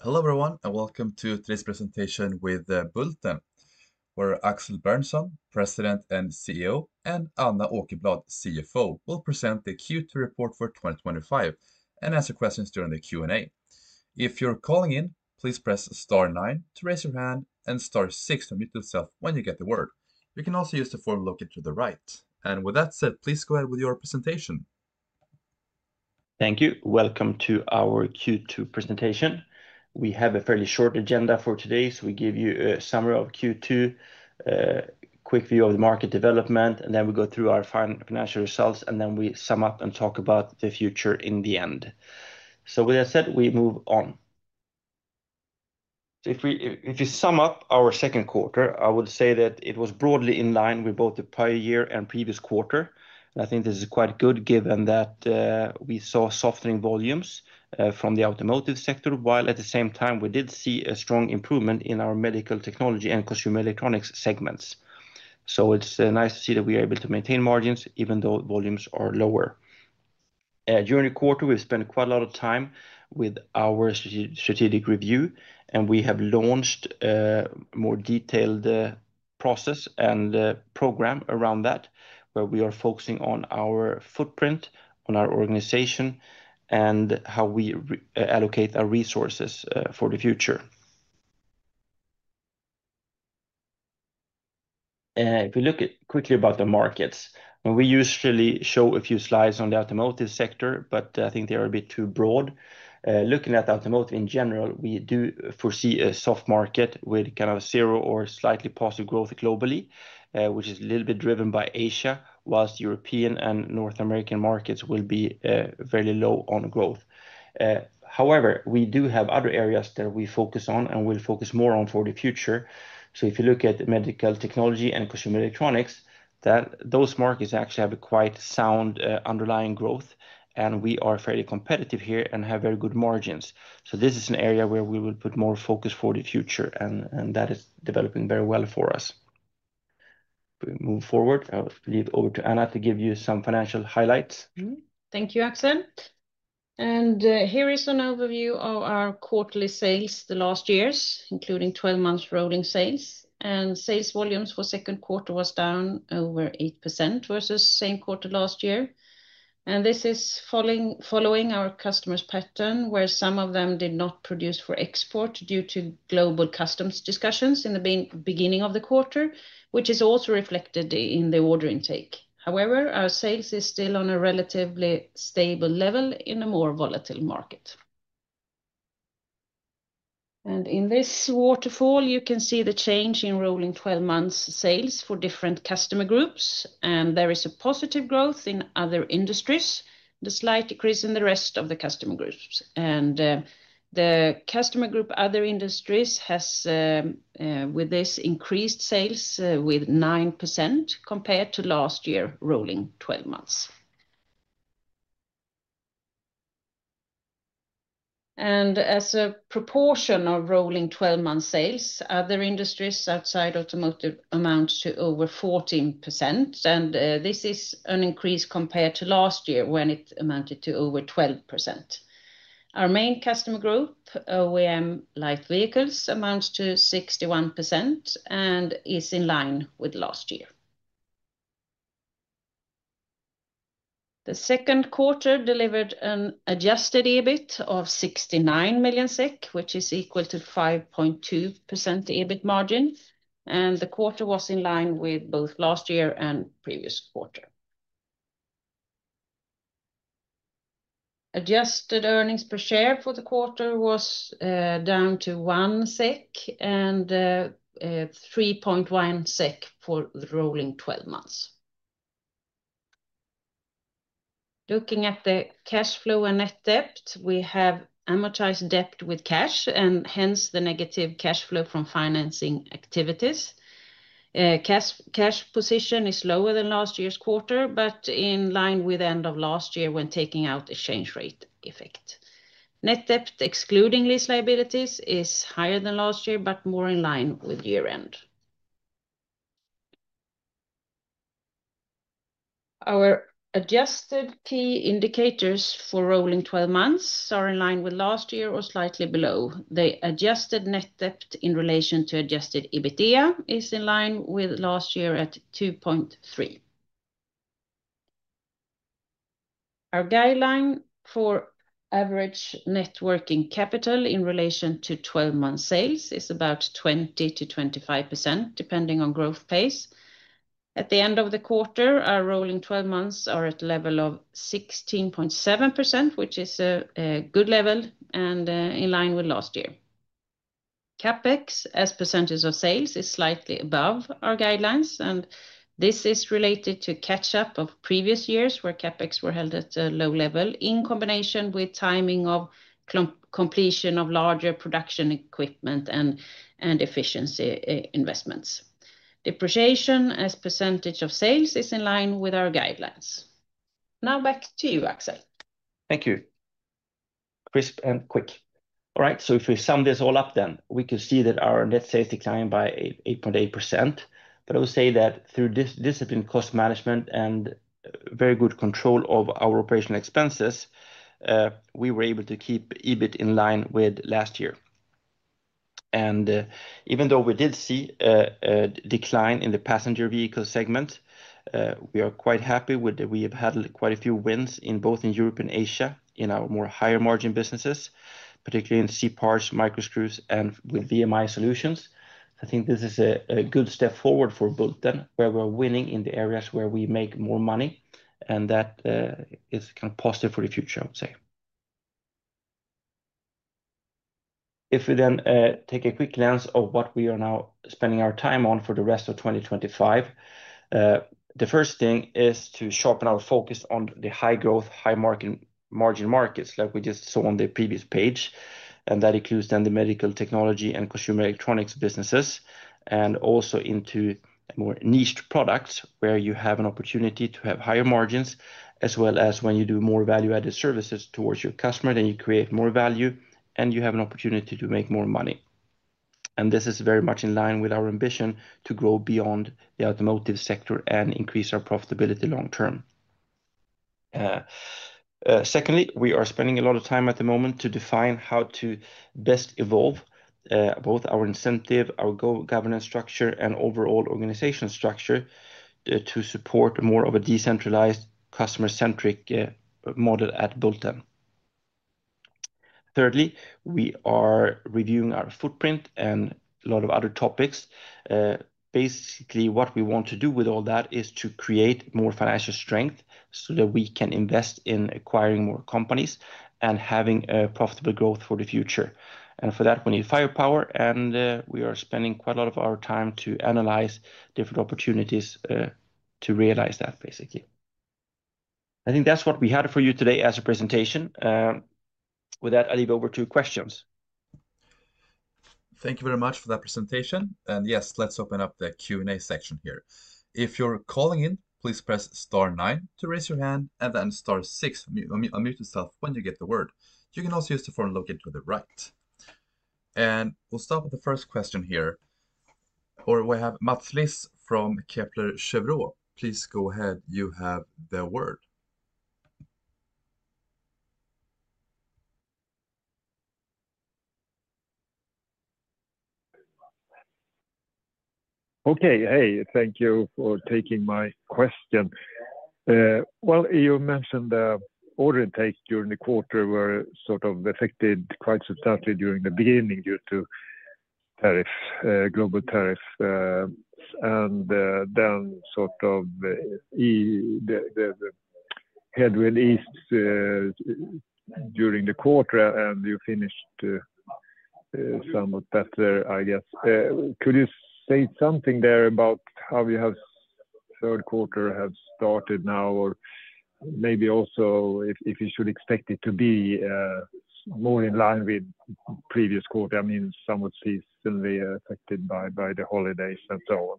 Hello everyone, and welcome to today's presentation with Bulten, where Axel Berntsson, President and CEO, and Anna Åkerblad, CFO, will present the Q2 report for 2025 and answer questions during the Q&A. If you're calling in, please press star nine to raise your hand and star six to mute yourself when you get the word. You can also use the form located to the right. With that said, please go ahead with your presentation. Thank you. Welcome to our Q2 presentation. We have a fairly short agenda for today, so we give you a summary of Q2, a quick view of the market development, and then we go through our financial results, and then we sum up and talk about the future in the end. With that said, we move on. If we sum up our second quarter, I would say that it was broadly in line with both the prior year and previous quarter. I think this is quite good given that we saw softening volumes from the automotive sector, while at the same time we did see a strong improvement in our medical technology and consumer electronics segments. It's nice to see that we are able to maintain margins even though volumes are lower. During the quarter, we've spent quite a lot of time with our strategic review, and we have launched a more detailed process and program around that, where we are focusing on our footprint, on our organization, and how we allocate our resources for the future. If we look quickly at the markets, we usually show a few slides on the automotive sector, but I think they are a bit too broad. Looking at automotive in general, we do foresee a soft market with kind of zero or slightly positive growth globally, which is a little bit driven by Asia, whilst European and North American markets will be very low on growth. However, we do have other areas that we focus on and will focus more on for the future. If you look at medical technology and consumer electronics, those markets actually have quite sound underlying growth, and we are fairly competitive here and have very good margins. This is an area where we will put more focus for the future, and that is developing very well for us. If we move forward, I'll leave it over to Anna to give you some financial highlights. Thank you, Axel. Here is an overview of our quarterly sales, the last year's, including 12-months rolling sales. Sales volumes for the second quarter were down over 8% vs the same quarter last year. This is following our customers' pattern, where some of them did not produce for export due to global customs discussions in the beginning of the quarter, which is also reflected in the order intake. However, our sales are still on a relatively stable level in a more volatile market. In this waterfall, you can see the change in rolling 12-months' sales for different customer groups. There is a positive growth in other industries, with a slight decrease in the rest of the customer groups. The customer group other industries has, with this, increased sales with 9% compared to last year's rolling 12-months. As a proportion of rolling 12-month sales, other industries outside automotive amount to over 14%. This is an increase compared to last year when it amounted to over 12%. Our main customer group, OEM light vehicles, amounts to 61% and is in line with last year. The second quarter delivered an adjusted EBIT of 69 million SEK, which is equal to 5.2% EBIT margin. The quarter was in line with both last year and previous quarter. Adjusted earnings per share for the quarter was down to 1 SEK and 3.1 SEK for the rolling 12-months. Looking at the cash flow and net debt, we have amortized debt with cash, and hence the negative cash flow from financing activities. Cash position is lower than last year's quarter, but in line with the end of last year when taking out the change rate effect. Net debt excluding lease liabilities is higher than last year, but more in line with year-end. Our adjusted key indicators for rolling 12-months are in line with last year or slightly below. The adjusted net debt in relation to adjusted EBITDA is in line with last year at 2.3%. Our guideline for average net working capital in relation to 12-month sales is about 20%-25%, depending on growth pace. At the end of the quarter, our rolling 12-months are at a level of 16.7%, which is a good level and in line with last year. CapEx as percentage of sales is slightly above our guidelines, and this is related to catch-up of previous years where CapEx were held at a low level in combination with timing of completion of larger production equipment and efficiency investments. Depreciation as percentage of sales is in line with our guidelines. Now back to you, Axel. Thank you. Crisp and quick. All right, if we sum this all up, then we can see that our net sales declined by 8.8%. I would say that through this disciplined cost management and very good control of our operational expenses, we were able to keep EBIT in line with last year. Even though we did see a decline in the passenger vehicle segment, we are quite happy that we have had quite a few wins in both Europe and Asia in our more higher margin businesses, particularly in C-parts, micro screws, and with VMI Solutions. I think this is a good step forward for Bulten, where we are winning in the areas where we make more money, and that is kind of positive for the future, I would say. If we then take a quick glance at what we are now spending our time on for the rest of 2025, the first thing is to sharpen our focus on the high growth, high margin markets that we just saw on the previous page. That includes the medical technology and consumer electronics businesses, and also into more niched products where you have an opportunity to have higher margins, as well as when you do more value-added services towards your customer, then you create more value, and you have an opportunity to make more money. This is very much in line with our ambition to grow beyond the automotive sector and increase our profitability long term. Secondly, we are spending a lot of time at the moment to define how to best evolve both our incentive, our governance structure, and overall organization structure to support more of a decentralized, customer-centric model at Bulten. Thirdly, we are reviewing our footprint and a lot of other topics. Basically, what we want to do with all that is to create more financial strength so that we can invest in acquiring more companies and having profitable growth for the future. For that, we need firepower, and we are spending quite a lot of our time to analyze different opportunities to realize that, basically. I think that's what we had for you today as a presentation. With that, I'll leave it over to questions. Thank you very much for that presentation. Yes, let's open up the Q&A section here. If you're calling in, please press star nine to raise your hand and then star six to mute yourself when you get the word. You can also use the form located to the right. We'll start with the first question here, where we have Mats Liss from Kepler Cheuvreux. Please go ahead, you have the word. Thank you for taking my question. You mentioned the order intake during the quarter was sort of affected quite substantially during the beginning due to global tariffs. Then sort of headwind eased during the quarter, and you finished somewhat better, I guess. Could you state something there about how your third quarter has started now, or maybe also if you should expect it to be more in line with the previous quarter? I mean, some would see it affected by the holidays and so on.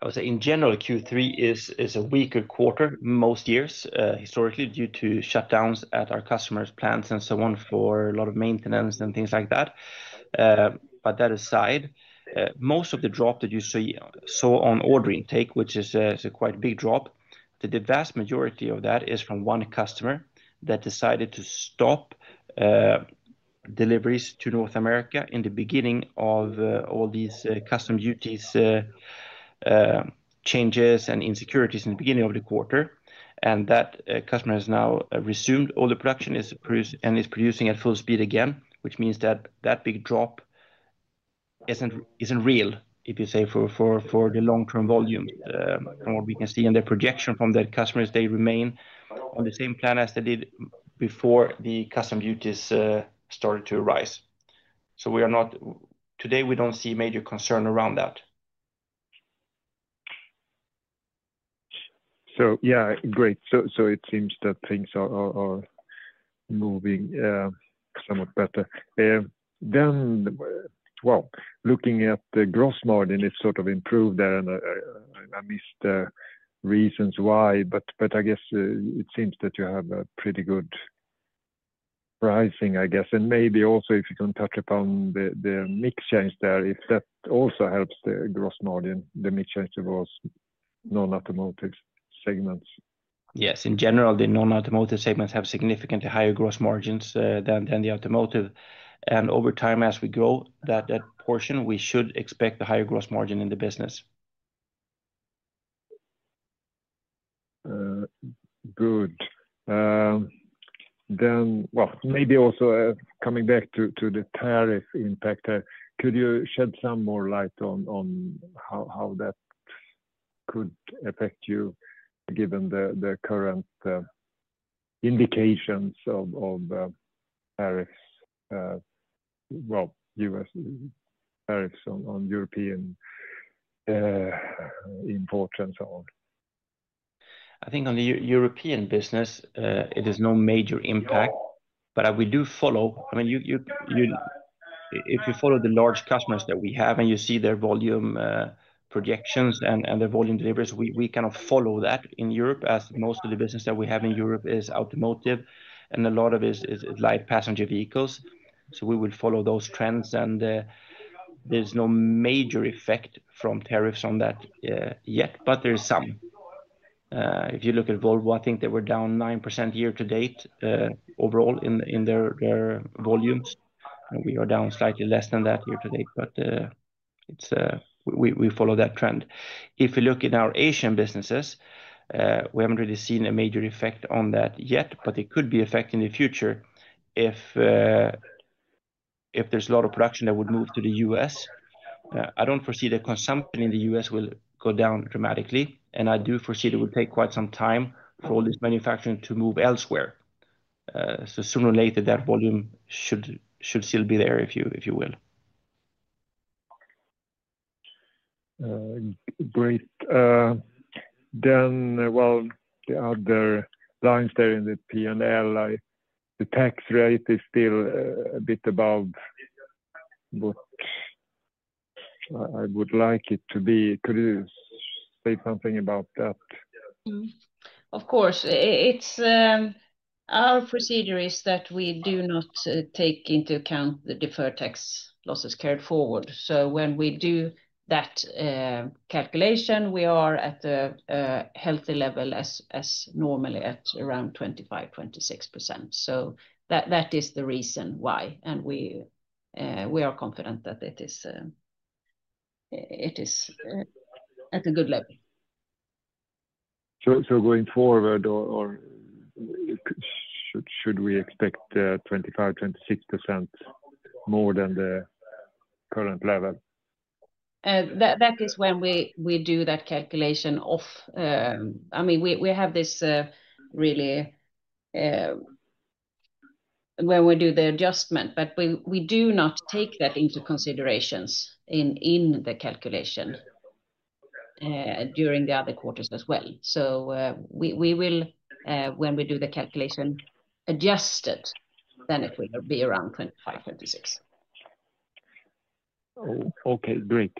I would say in general, Q3 is a weaker quarter most years, historically, due to shutdowns at our customers' plants and so on for a lot of maintenance and things like that. That aside, most of the drop that you saw on order intake, which is a quite big drop, the vast majority of that is from one customer that decided to stop deliveries to North America in the beginning of all these custom duties changes and insecurities in the beginning of the quarter. That customer has now resumed all the production and is producing at full speed again, which means that that big drop isn't real, if you say, for the long-term volume. What we can see in the projection from that customer is they remain on the same plan as they did before the custom duties started to arise. We are not today, we don't see major concern around that. Yeah, great. It seems that things are moving somewhat better. Looking at the gross margin, it's sort of improved there, and I missed the reasons why, but I guess it seems that you have a pretty good pricing, I guess. Maybe also, if you can touch upon the mixed change there, if that also helps the gross margin, the mixed change of those non-automotive segments. Yes, in general, the non-automotive segments have significantly higher gross margins than the automotive. Over time, as we grow that portion, we should expect a higher gross margin in the business. Good. Maybe also coming back to the tariff impact there, could you shed some more light on how that could affect you, given the current indications of tariffs, U.S. tariffs on European imports and so on? I think on the European business, it is no major impact, but we do follow, I mean, if you follow the large customers that we have and you see their volume projections and their volume deliveries, we kind of follow that in Europe as most of the business that we have in Europe is automotive, and a lot of it is light passenger vehicles. We will follow those trends, and there's no major effect from tariffs on that yet, but there is some. If you look at Volvo, I think they were down 9% year to date overall in their volumes. We are down slightly less than that year to date, but we follow that trend. If you look in our Asian businesses, we haven't really seen a major effect on that yet, but it could be affecting the future if there's a lot of production that would move to the U.S. I don't foresee that consumption in the U.S. will go down dramatically, and I do foresee that it would take quite some time for all this manufacturing to move elsewhere. Sooner or later, that volume should still be there, if you will. Great. The other lines there in the P&L, the tax rate is still a bit above what I would like it to be. Could you say something about that? Of course. Our procedure is that we do not take into account the deferred tax losses carried forward. When we do that calculation, we are at a healthy level, normally at around 25%, 26%. That is the reason why. We are confident that it is at a good level. Going forward, should we expect 25%, 26% more than the current level? That is when we do that calculation off. I mean, we have this really when we do the adjustment, but we do not take that into consideration in the calculation during the other quarters as well. When we do the calculation, adjust it, then it will be around 25%, 26%. Okay. Great.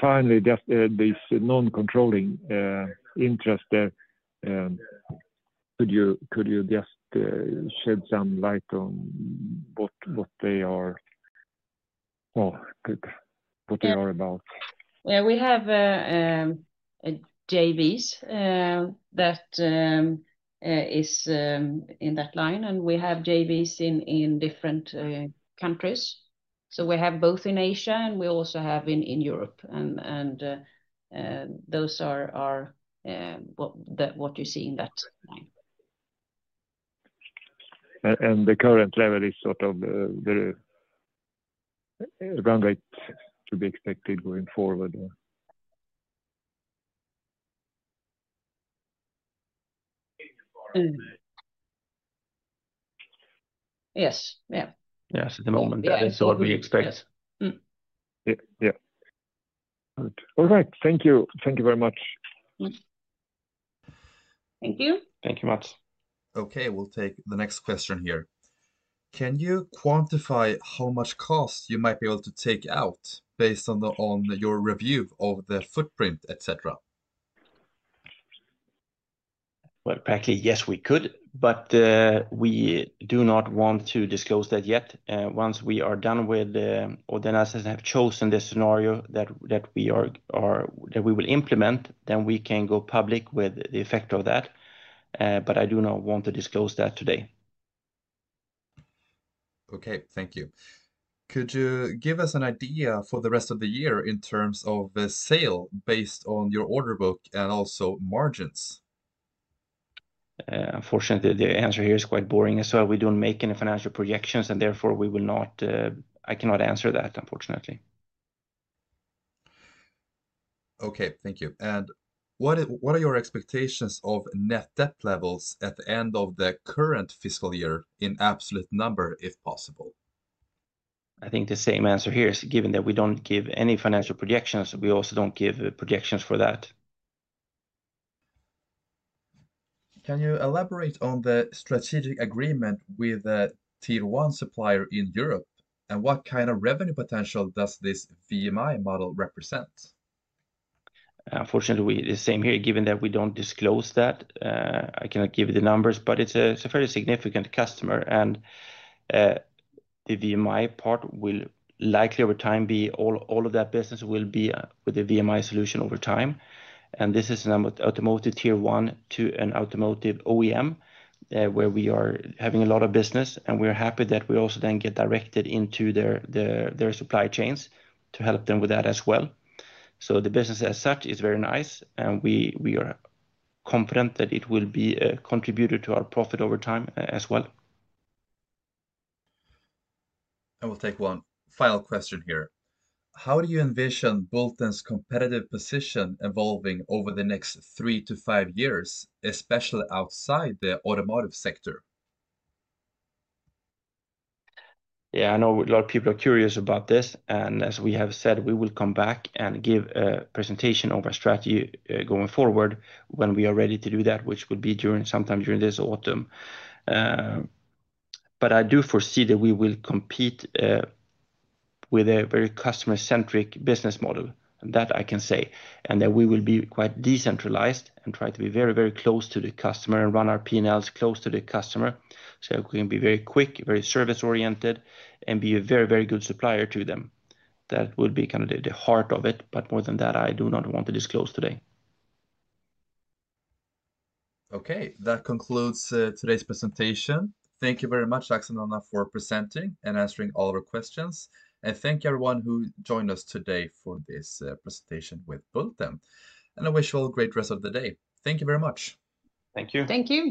Finally, just this non-controlling interest there, could you shed some light on what they are, what they are about? Yeah, we have JVs that is in that line, and we have JVs in different countries. We have both in Asia, and we also have in Europe. Those are what you see in that. The current level is sort of the ground rate to be expected going forward. Yes. Yeah. Yes, at the moment, that is what we expect. Yes. All right. Thank you. Thank you very much. Thank you. Thank you, Mats. Okay, we'll take the next question here. Can you quantify how much cost you might be able to take out based on your review of the footprint, etc.? Patty, yes, we could, but we do not want to disclose that yet. Once we are done with, or as I have chosen the scenario that we will implement, we can go public with the effect of that. I do not want to disclose that today. Okay, thank you. Could you give us an idea for the rest of the year in terms of the sale based on your order book and also margins? Unfortunately, the answer here is quite boring as well. We don't make any financial projections, and therefore, we will not, I cannot answer that, unfortunately. Thank you. What are your expectations of net debt levels at the end of the current fiscal year in absolute number, if possible? I think the same answer here is given that we don't give any financial projections, we also don't give projections for that. Can you elaborate on the strategic agreement with the Tier 1 supplier in Europe? What kind of revenue potential does this VMI model represent? Unfortunately, the same here, given that we don't disclose that. I cannot give you the numbers, but it's a fairly significant customer. The VMI part will likely, over time, be all of that business with the VMI solution. This is an automotive tier one to an automotive OEM where we are having a lot of business. We are happy that we also then get directed into their supply chains to help them with that as well. The business as such is very nice, and we are confident that it will be a contributor to our profit over time as well. I will take one final question here. How do you envision Bulten's competitive position evolving over the next 3-5 years, especially outside the automotive sector? I know a lot of people are curious about this. As we have said, we will come back and give a presentation of our strategy going forward when we are ready to do that, which could be sometime during this autumn. I do foresee that we will compete with a very customer-centric business model, and that I can say. We will be quite decentralized and try to be very, very close to the customer and run our P&Ls close to the customer. We can be very quick, very service-oriented, and be a very, very good supplier to them. That will be kind of the heart of it. More than that, I do not want to disclose today. Okay, that concludes today's presentation. Thank you very much, Axel and Anna, for presenting and answering all of our questions. Thank you, everyone who joined us today for this presentation with Bulten. I wish you all a great rest of the day. Thank you very much. Thank you. Thank you.